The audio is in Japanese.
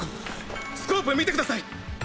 スコープ見てください。